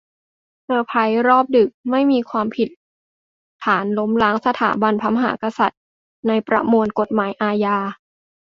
เซอร์ไพรส์รอบดึก ! ไม่มีความผิดฐานล้มล้างสถาบันพระมหากษัตริย์ในประมวลกฎหมายอาญา